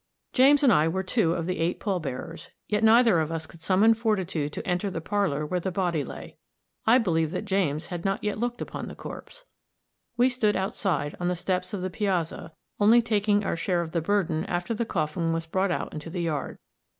James and I were two of the eight pall bearers, yet neither of us could summon fortitude to enter the parlor where the body lay; I believe that James had not yet looked upon the corpse. We stood outside, on the steps of the piazza, only taking our share of the burden after the coffin was brought out into the yard.